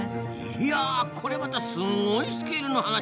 いやこりゃまたすごいスケールの話ですな。